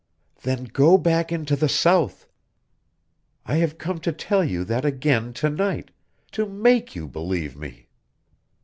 "Then go back into the South. I have come to tell you that again to night to make you believe me.